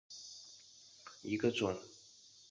近边耳蕨为鳞毛蕨科耳蕨属下的一个种。